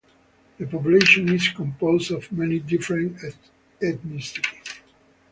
The population is composed of many different ethnicities.